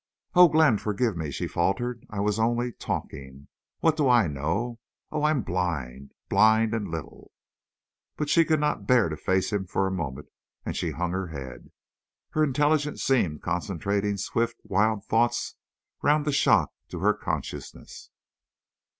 "Oh, Glenn!—forgive—me!" she faltered. "I was only—talking. What do I know? Oh, I am blind—blind and little!" She could not bear to face him for a moment, and she hung her head. Her intelligence seemed concentrating swift, wild thoughts round the shock to her consciousness.